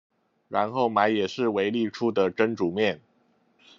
然後買也是維力出的蒸煮麵